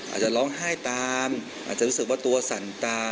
อาจจะร้องไห้ตามอาจจะรู้สึกว่าตัวสั่นตา